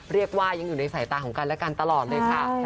เรียกว่ายังอยู่ในสายตาของกันและกันตลอดเลยค่ะ